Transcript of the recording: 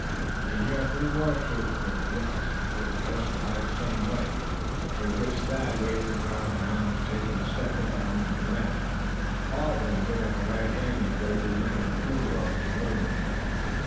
And here are three more truthful witnesses who will testify the same way," with which Thad waved his arm around to take in Step Hen, Allan and Giraffe, all of whom put up a right hand, and gravely nodded approval of his words.